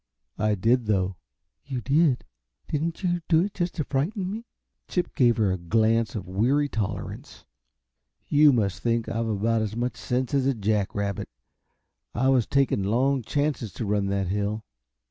"I did, though." "You did? Didn't you do it just to frighten me?" Chip gave her a glance of weary tolerance. "You must think I've about as much sense as a jack rabbit; I was taking long chances to run that hill."